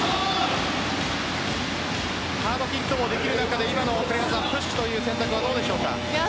ハードヒットもできる中でプッシュという選択はどうでしょうか？